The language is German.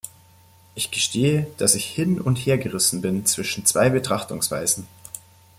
Ich gestehe, dass ich hin und her gerissen bin zwischen zwei Betrachtungsweisen.